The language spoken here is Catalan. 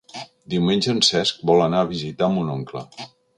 Diumenge en Cesc vol anar a visitar mon oncle.